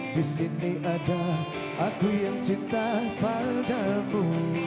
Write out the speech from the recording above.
disini ada aku yang cinta padamu